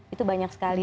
itu banyak sekali